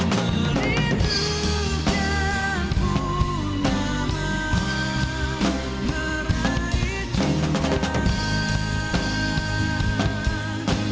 menitukan pun nama meraih cinta